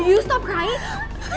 iya mel mel kenapa